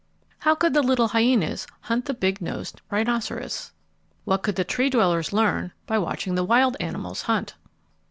How could the little hyenas hunt the big nosed rhinoceros? What could the Tree dwellers learn by watching the wild animals hunt?